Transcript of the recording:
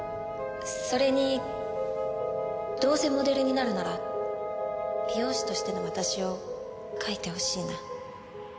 それにどうせモデルになるなら美容師としての私を描いてほしいな。